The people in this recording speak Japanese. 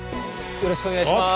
よろしくお願いします。